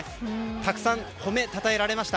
たくさん褒めたたえられました。